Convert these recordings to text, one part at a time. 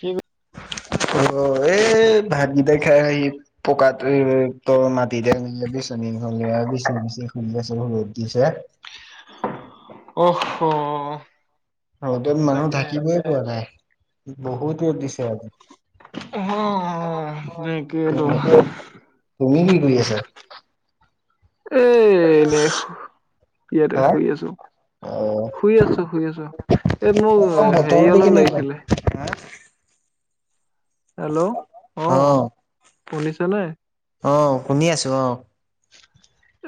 কি কৰে? অ অ, এই ভাতগিতা খাই মেলি। ৰ'দ দিছে। অহ' হ। ৰ'দত মানুহ থাকিবই পৰা নাই, বহুত ৰ'দ দিছে আজি। অঁহ তাকেতো। তুমি তুমি কি কৰি আছা? এ এনে, ইয়াতে হা শুই আছো। অ'। শুই আছো শুই আছো, এই মোক অ', হেৰি বতৰটো অলপ কেনেকুৱা? লাগিছিলে। হেল্লৌ', হা অঁ, শুনিছনে? অঁ শুনি আছো অঁ।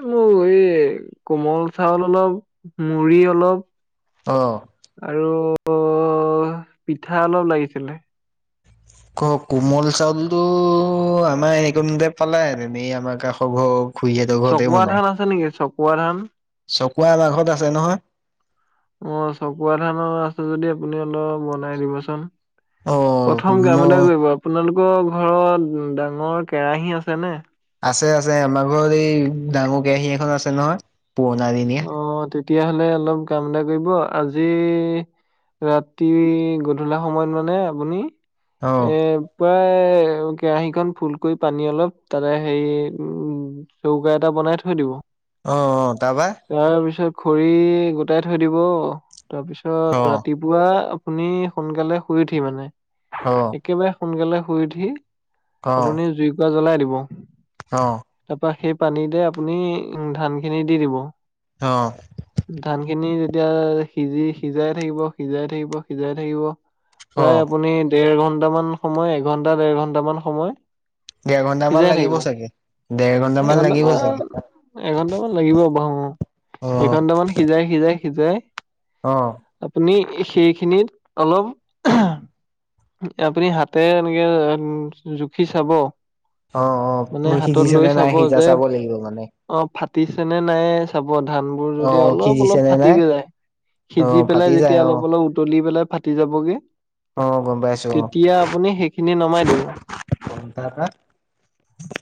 মোৰ এই, কোমল চাউল অলপ, মুড়ি অলপ- অঁ। আৰু পিঠা অলপ লাগিছিলে। ক কোমল চাউলটো আমাৰ একনতে পালে হেতিন এ আমাৰ কাষৰ ঘৰ- খুৰীহঁতৰ ঘৰতে চকুৱা বনাই। ধান আছে নেকি চকুৱা ধান। চকুৱা আমা ঘত আছে নহয়। অঁ চকুৱা ধানৰ আছে যদি আপুনি অলপ বনাই দিবচোন। অ', প্ৰথম কাম এটা মই কৰিব আপোনালোকৰ ঘৰত ডাঙৰ কেৰাহী আছেনে? আছে আছে আমাৰ ঘৰত এই ডাঙৰ কেৰাহী এখন আছে নহয় পুৰণা দিনি- অঁ তেতিয়াহলে অলপ কাম এটা কৰিব আজি- ৰাতি গধূলা সময়ত মানে আপুনি অ এ- পুৱাই কেৰাহি খন ফুল কৰি পানী অলপ তাতে হেৰি উম- চৌকা এটা বনাই থৈ দিব। অঁ অঁ তাপা। তাৰপিছত খৰি গোটাই থৈ দিব অ তাৰপিছত ৰাতি- পুৱা আপুনি সোনকালে শুই উঠি মানে। অঁ। একেবাৰে সোনকালে শুই উঠি, আপুনি জুই কোৰা জ্বলাই দিব। অঁ'। তাৰপা সেই পানীতে আপুনি উ ধান খিনি দি দিব। অ। ধান খিনি যেতিয়া সিজি সিজাই থাকিব সিজাই থাকিব সিজাই থাকিব। অ প্ৰায় আপুনি দেৰ ঘন্টামান সময় এঘন্টা দেৰ ঘন্টামান সময় দেৰ ঘন্টামান সিজাই লাগিব থাকিব। চাগে। দেৰ ঘন্টামান লাগিব এঘন্টামান চাগে। অ এঘণ্টামান সিজাই সিজাই সিজাই অ আপুনি সেইখিনিত অলপ আপুনি হাতে এনেকে জুখি চাব। অ অ মানে মই হাতত সিজিছে লৈ নে নাই সিজা যে চাব লাগিব মানে। অ ফাটিছেনে নাই চাব ধান বোৰ অ যদি অলপ সিজিছে অলপ নে ফাটি নাই গৈ যায় অ সিজি পেলাই ফাটি যায় যেতিয়া অ অলপ অলপ উতলি পেলাই ফাটি যাবগৈ অ গম পাইছোঁ। তেতিয়া আপুনি সেইখিনি নমাই দিব। উম টাপা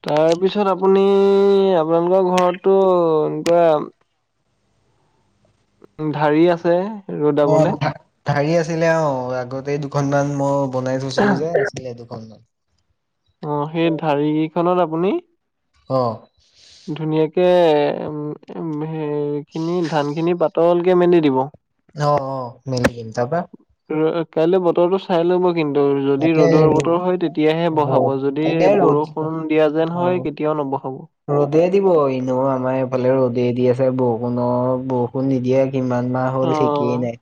তাৰপিছত আপুনি আপোনালোকৰ ঘৰতটো এনেকুৱা ধৰি আছে অ ৰ'দাবলে ধাৰি আছিলে অ আগতে দুখনমান মই বনাই থৈছিলো যে। [unintelligible] অ সেই ধাৰি কেইখনত আপুনি অঁ ধুনীয়াকে উ হ খিনি ধান খিনি পাতলকে মেলি দিব। অ অ মেলি দিম তাৰ পা অ কাইলৈ বতৰটো চাই লব কিন্তু যদি তাকে ৰ'দৰ বতৰ হয় তেতিয়াহে বহাব ৰ'দ যদি তাকে ৰ'দ বৰষুণ দিয়া যেন হয়। কেতিয়াও নবহাব। ৰ'দে দিব এনে আমাৰ এইফালে ৰ'দে দি আছে বৰষুণৰ বৰষুণ নিদিয়ে। কিমান মাহ অ হ'ল ঠিকেই নাই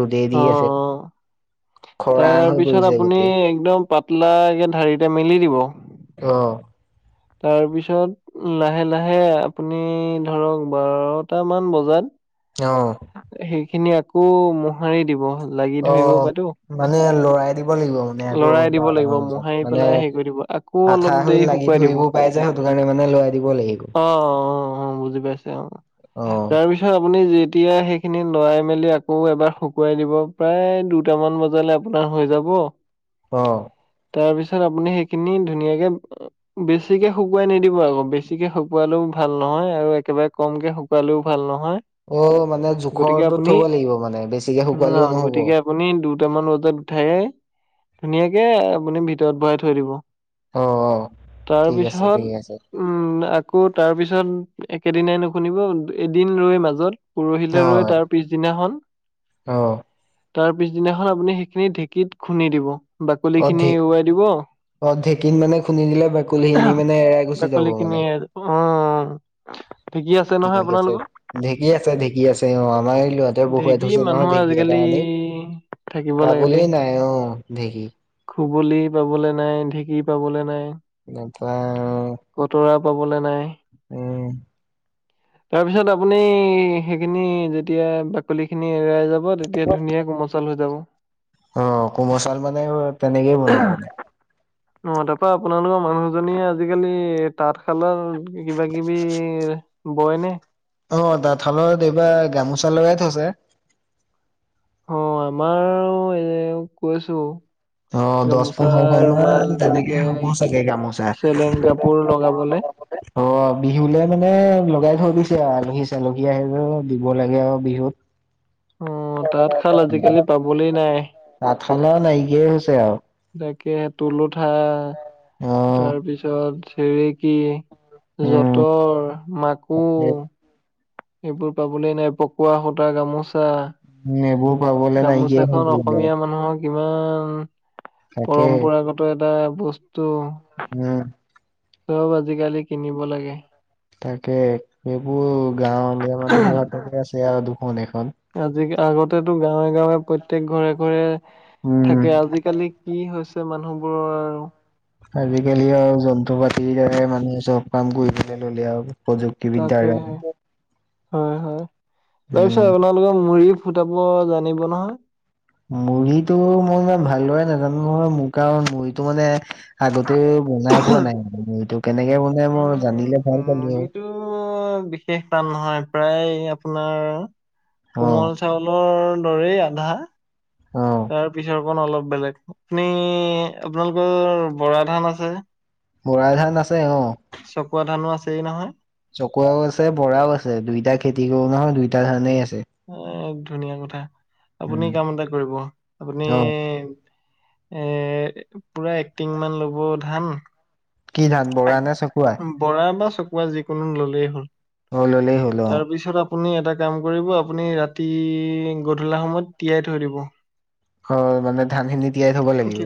ৰদেই অ দি আছে। অ। খৰাং হৈ তাৰপিছত পৰিছে আপুনি গোটেই একদম পাতলাকে ঢাৰিতে মেলি দিব। অ তাৰপিছত লাহে লাহে আপুনি ধৰক বাৰটামান বজাত অ সেইখিনি আকৌ মোহাৰি দিব। লাগি অ ধৰিব পাতো। মানে লৰাই দিব লাগিব। আকৌ লৰাই দিব বাৰটা লাগিব মান বিছত মোহাৰি মানে পেলাই হেৰি কৰি দিব আকৌ অলপ আঠা হৈ দেৰি লাগি শুকুৱাই দিব। অ', ধৰিবও পাই। দে সেইটোৰ কাৰণে মানে লৰাই দিব লাগিব অ', অ বুজি পাইছে অ অ', তাৰপিছত সআপুনি যেতিয়া সেইখিনি লৰাই মেলি আকৌ এবাৰ শুকুৱাই দিব প্ৰায় দুটামান বজালে আপোনাৰ হৈ যাব অ তাৰ পিছত আপুনি সেইখিনি ধুনীয়াকে বেছিকে শুকুৱাই নিদিব আকৌ বেছিকে শুকুৱালেও ভাল নহয় আৰু একেবাৰে কমকে শু পালেও ভাল নহয় অ মানে গতিকে জোখৰটোত আপুনি থব লাগিব মানে বেছিকে উম, শুকুৱালেও অ', নহব। গতিকে আপুনি দুটামান বজাত উঠায়ে ধুনীয়াকে আপুনি ভিতৰত ভৰাই থৈ দিব, অ'। ঠিক আছে তাৰপিছত ঠিক আছে উম আকৌ তাৰ পিছত একেদিনাই নুশুনিব এদিন ৰৈ মাজত পৰহিলৈ ৰৈ অ'। তাৰ পিছদিনাখন অ তাৰ পিছদিনাখন আপুনি সেইখিনি ঢেঁকীত খুন্দি দিব বাকলি খিনি অধিক এৰুৱাই দিব। অ ঢেকিন মানে খুন্দ দিলে বাকলিখিনি মানে এৰাই গুচি যাব মানে। উম। ঠিক আছে ঢেঁকী আছে ঢেঁকী আছে অ আমাৰ এই লৰাটোৱে বহুৱাই ঢেঁকী থৈছে নহয় মানুহ ঢেঁকী আজিকালি এটা আনি। থাকিব পাবলৈ নাই অ ঢেঁকী। খুবলি পাবলৈ নাই ঢেঁকী পাবলৈ নাই। নাপাই আৰু। কতৰা পাবলৈ নাই। তাৰপিছত আপুনি সেইখিনি যেতিয়া ডাক বাকলিখিনি এৰাই যাব তেতিয়া ধুনীয়া কোমচল হৈ যাব। অ কোম চউল মানে তেনেকে বনাই মানে। অ তাৰাপৰা আপোনালোকৰ মানুহজনীয়ে আজিকালি তাঁতশালৰ কিবা কিবিএহ বইনে? অ তাঁতশালত এইবাৰ গামোচা লগাই থৈছে। অ আমাৰ ৰ এওক কৈছো। অ দহ গামোচা পোন্ধৰখন ৰুমাল মান তেনেকে, হ'ব চাগে গামোচা চেলেং কাপোৰ লগাবলে। [inaudible] অ বিহুলে মানে লগাই থৈ দিছে আলহী চালকী আহিলে দিব লাগে আৰু বিহুত। অ তাঁতশাল আজিকালি পাবলেই নাই। তাঁঠশালা নাইকিয়াই হৈছে আৰু। তাকে তুলোঠা, অ', তাৰপিছত চেৰেকী উম, যতৰ মাকূ উম, এইবোৰ পাবলৈ নাই পকোৱা সূতা গামোচা। নেবোৰ পাব গামোচাখন অসমীয়া মানুহক কিমান, তাকে পৰম্পৰাগত এটা বস্তু উম। চব আজিকালি কিনিব লাগে। তাকে এইবোৰ গাঁৱলীয়া মানুহ তাকে আছে আৰু দুখন এখন। আজি আগতেতো গাঁৱে গাঁৱে প্ৰত্যেক ঘৰে ঘৰে উম, থাকে আজিকালিক কি হৈছে মানুহবোৰৰ আৰু। আজিকালি আৰু যন্ত্ৰ পাতিৰ দেৰমানুহে চব কাম কৰিব ল'লে আৰু। প্ৰযুক্তিবিদ্যাৰ দ্বাৰা। তাকেহে, হয় হয় তাৰপিছত উম, আপোনালোকৰ মুৰি ফুটাপল জানিব নহয়? মুৰিটো মই ইমান ভালদৰে নাজানো নহয় মোৰ কাৰণ মুৰিটো মানে আগতেও বনাই পোৱা নাই এইটো কেনেকে বনাই মই জানিলে ভাল পালো হয়। অহ বিশেষ টান নহয় প্ৰায় আপোনাৰ অ', কোমল চাউলৰ দৰেই আধা অ', তাৰ পিছৰকণ অলপ বেলেগ, আপুনি আপোনালোকৰ বৰা ধান আছে? বৰা ধান আছে অ। চকুৱ ধানো আছে নহয়? চকুৱাও আছে বৰাও আছে দুইটা খেতি কৰো নহয় দুইটা ধৰণেই আছে এ ধুনীয়া কথা আপুনি কাম এটা কৰিব আপুনি অ এ পুৰা এক্টিং মান ল'ব ধান কি ধান তাক বৰা নে চকুৱা বৰা বা চকুৱা যিকোনো ললেই হ'ল অ ললেই হ'ল অ তাৰপিছত আপুনি এটা কাম কৰিব আপুনি ৰাতি গধূলা সময়ত তিয়াইথৈ দিব হয় মানে ধান খিনি তিয়াই থব লাগিব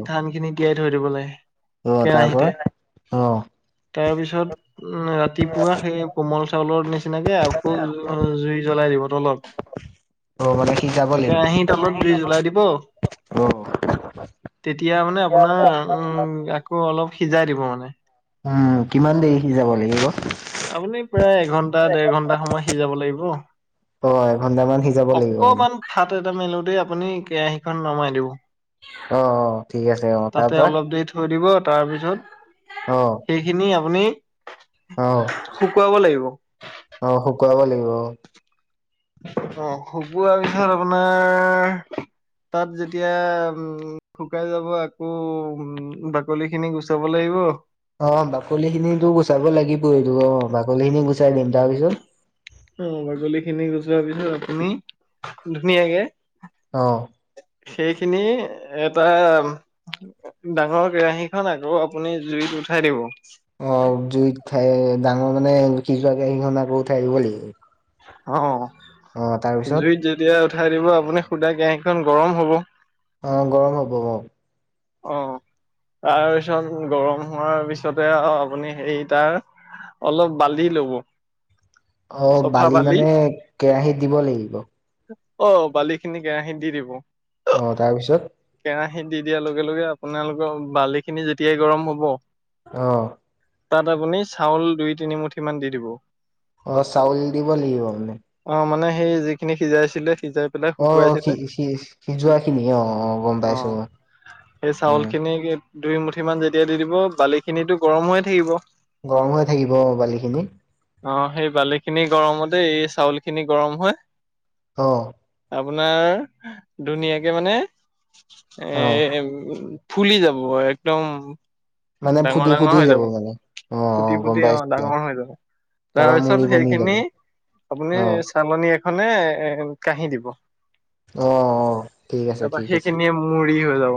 তীয়াই থৈ দিবলাগে অহ তাৰ পৰা অহ তাৰ পিছত উম ৰাতিপুৱা সেই কোমল চাউলৰ নিচিনা এনেকে আকৌ জুই জ্বলাই দিব তলত অ মানে সিজাব লাগিব কেৰাহীত তলত দুই জ্বলাই দিব অ তেতিয়া মানে আপোনাৰ উম আকৌ অলপ সিজাই দিব মানে উম কিমান দেৰি যাব লাগিব আপুনি প্ৰায় এঘন্টা দেৰ ঘন্টা সময় সিজাব লাগিব অ এঘণ্টামান অকমান ফাট এটা মেলোতে আপুনি কেৰাহীখন নমাই দিব অ অ ঠিক আছে অ তাৰ তাতে পৰা অলপ দেৰি থৈ দিব তাৰপিছত অ সেইখিনি আপুনি অ শুকুৱাব লাগিব অ শুকুৱাব লাগিব অ অ শুবোৱাৰ পিছত আপোনাৰ তাত যেতিয়া উম শুকাই যাব আকৌ উ বাকলি খিনি গুচাব লাগিব অ বাকলি খিনিো গুচাব লাগিব এইটো অ বাকলি খিনি গুচাই দিম তাৰপিছত অ বাগলী খিনি গুচোৱা পিছো আপুনি ধুনীয়াকে অ সেইখিনি এটা ডাঙৰ কেৰাহী খন আকৌ আপুনি জুইত উঠাই দিব অ জুইত ডাঙৰ মানে সিজ আহিহনা কৰি থাকিব লেকি অ তাৰপিছত জুইত যেতিয়া উঠাই দিব আপুনি সুদা কেৰাহীখন গৰম হ'ব অ গৰম হ'ব অ অ তাৰপিছত গৰম হোৱাৰ পিছতে আৰু আপুনি হেই তাৰ অলপ বালি লব অ বালি মানে কেৰাহীত দিব লাগিব অ বালি খিনি কেৰাহী দি দিব অ তাৰপিছত কেৰাহিত দি দিয়াৰ লগে লগে আপোনালোকৰ বালি খিনি যেতিয়াই গৰম হব অ তাত আপুনি চাউল দুই তিনিমুঠি মান দি দিব অ চাউল দিব লাগিব আে অ মানে সেই যিখিনি সিজাইছিলে সিজাই পেলাই অ শুকুৱাইছিলে খি সি সিজোৱা খিনি অ অ গম পাইছো সেই চাউল উম, খিনি দুই মুঠি মান যেতিয়া দি দিব বালিখিনিো গৰম হৈয়ে থাকিব গৰম হৈ থাকিব বালিখিনি। অ সেই বালি, খিনি গৰমতে এই চাউল, খিনি গৰম হয়। অ আপোনাৰ ধুনীয়াকে মানে অ', এ উ ফুলি যাব একদম মানে ডাঙৰ- ফুটি ডাঙৰ ফুটি হৈ যাব মানে অ', ফুটি গম -ফুটি অ পাইছো ডাঙৰ হৈ যাব। তাৰপা মুৰি তাৰপিছত বনি যাব সেইখিনি আপুনি অ', চালনী এখনে এ কাহি দিব। অ অ ঠিক আছে ঠিক আছে। মৰি হৈ যাব।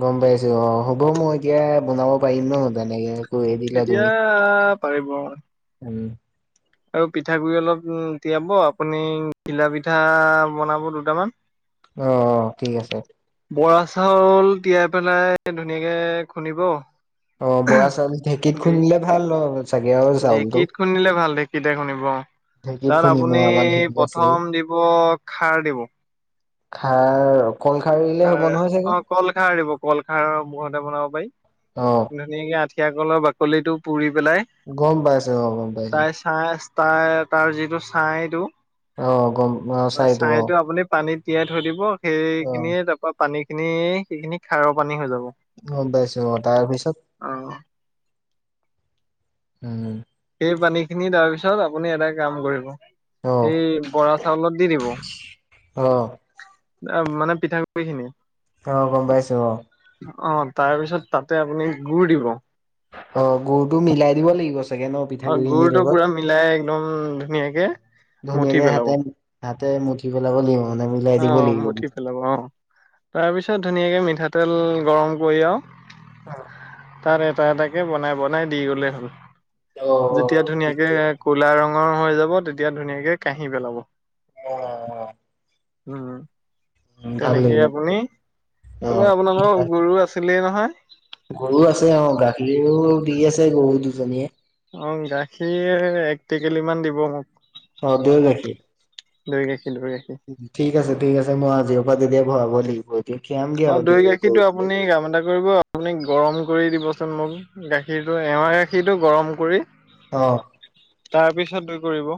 গম পাইছো অ হ'ব মই এতিয়া বনাব পাৰিম ন তেনেকে- কৰি দিদিয়া এতিয়া তুমি পাৰিব উম আৰু পিঠাগুড়ি, অলপ তিয়াব আপুনি ঘিলা, পিঠা বনাব দুটামান। উ অ অ ঠিক আছে। বৰা চাউল, তিয়াই পেলাই ধুনীয়াকে খুন্দিব। অ বৰা চাউল, ঢেঁকীত খুন্দি খুন্দিলে ভাল ন। চাগে আৰু চাউলটো। ঢেঁকীত, শুনিলে ভাল ঢেঁকীতে, শুনিব। ঢেঁকীত তাত খুন্দিম অ আপুনি আমাৰ ঢেঁকী আছেই প্ৰথম দিব খাৰ দিব। খাৰ কল খাৰ দিলে হ'ব নহয় চাগে। কলখাৰ দিব কলখাৰ মূৰতে বনাব পাৰি। অ ধুনীয়াকে আঠিয়া, কলৰ, বাকলি টো পুৰি পেলাই গম পাইছো অ গম পাইছো। তাই ছাই তাৰ তাৰ যিটো ছাইটো অ গম অ চাইটো অ ছাইটো আপুনি- পানীত তিয়াই থৈ দিব অ। সেইখিনিয়ে তাৰপা পানী খিনিয়ে সেইখিনিয়ে খাৰৰ পানী হৈ যাব। অ পাইছো অ তাৰ পিছত অ উম সেই পানী খিনি তাৰ পিছত আপুনি এটা কাম কৰিব অ সেই বৰা, চাউলত, দি দিব। অঁ অ মানে পিঠাগুড়ি, খিনি অ গম পাইছো অ অ তাৰপিছত তাতে আপুনি গুড়, দিব। অ গুৰ, টো মিলাই দিব লাগিব চাগে ন। অ পিঠাগুৰি গুৰ, খিনিৰ টো লগত। পুৰা মিলাই একদম ধুনীয়াকে মুঠি ধুনীয়াকে পেলাব হাতে হাতে মুঠি পেলাব লাগিব মানে মিলাই দিব লাগিব। মিলাব লাগিব অ তাৰপিছত ধুনীয়াকে মিঠাতেল, গৰম কৰি। আৰু অ তাৰ এটা এটাকে বনাই বনাই দি গলে হ'ল। যেতিয়া অ', ধুনীয়াকে ঠিকে ক'লা ৰঙৰ হৈ যাব। তেতিয়া ধুনীয়াকে কাঁহি পেলাব। অ অ উম ভাল তেনেকে লাগিব আপুনি তেতিয়া। অ'। আপোনালোকৰ গৰু, আছে। চছিলেই নহয়। গৰু, আছে অ গাখীৰো দি আছে গৰু দুজনীয়ে- অ গাখীৰ একটেকেলি মান দিব মোক। পাউডাৰ গাখীৰৰ। দৈ গাখীৰ দৈ গাখীৰ ঠিক আছে ঠিক আছে মই আজিৰও পৰা তেতিয়া ভৰাব লাগিব। দেখিম। অ দৈ গাখীৰটো আপুনি কাম এটা কৰিব আপুনি গৰম কৰি দিবচোন মোক গাখীৰটো এৱা গাখীৰটো গৰম কৰি অ- তাৰ পিছত দৈ কৰিব।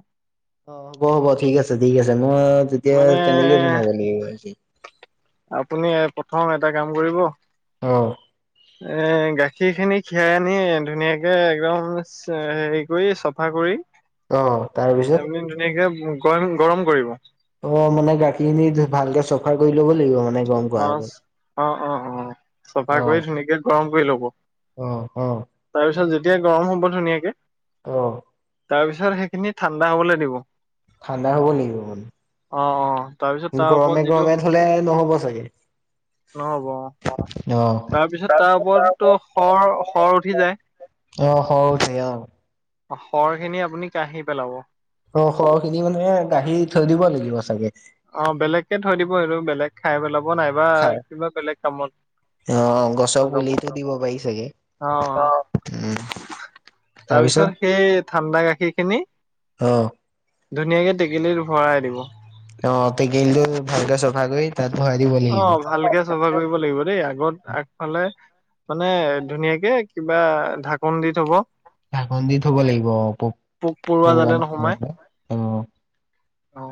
অ হ'ব হ'ব ঠিক আছে ঠিক আছে মই তেতিয়া মানে তেনেকে বনাব লাগিব। আপুনি প্ৰথম এটা কাম কৰিব অ। এ গাখীৰ খিনি খীৰাই আনি ধুনীয়াকে একদম হেৰি কৰি চফা কৰি অ', তাৰপিছত আপুনি ধুনীয়াকে গৰম গৰম কৰিব। অ মানে গাখীৰখিনি ভালকে চফা কৰি ল'ব লাগিব মানে। গৰম কৰাৰ অ আগত। অ অ অ চফা অ', কৰি ধুনীয়াকে গৰম কৰি লব। অ অ। তাৰপিছত যেতিয়া গৰম হ'ব ধুনীয়াকে অঁ। তাৰ পিছত সেইখিনি ঠাণ্ডা হবলৈ দিব। ঠাণ্ডা হব লাগিব অ অ তাৰপিছত মানে তাৰ ওপৰত গৰমে যিটো গৰমে থলে নহ'ব চাগে। নহ'ব অ। অ', তাৰপিছত তাৰ অ', ওপৰতো শৰ শৰ উঠি যায়। সৰহকে অ', শৰ খিনি আপুনি কাৰহি পেলাব। অ খৰ খিনি মানে গাৰি থৈ দিব লাগিব চাগে। অ বেলেগকে থৈ দিব এইটো বেলেগ খাই পেলাব নাইবা কিবা বেলেগ কামত। অ গছৰ লগাব। পুলিতো দিব পাৰি চাগে উম। তাৰ পিছত তাৰপিছত সেই ঠাণ্ডা গাখীৰ খিনি অ', ধুনীয়াকে টেকেলিত ভৰাই দিব। অ টেকেলিতো ভালকে চফা কৰি তাত ভৰাই দিব লাগিব। অ ভালকে চফা কৰিব লাগিব দেই আগত আগফালে মানে ধুনীয়াকে কিবা ঢাকন দি থব। ঢাকন দি থব লাগিব অ পোক পৰুৱা যাতে নোসোমাই। অ। অ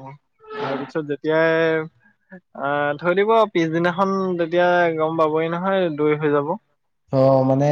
তাৰপিছত যেতিয়াই আহ থৈ দিব পিছদিনাখন তেতিয়া গম পাবই নহয় দৈ হৈ যাব। অ মানে।